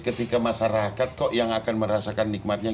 ketika masyarakat kok yang akan merasakan nikmatnya